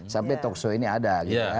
sampai talkshow ini ada